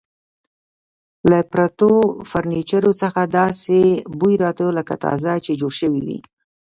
له پرتو فرنیچرو څخه داسې بوی راته، لکه تازه چې جوړ شوي وي.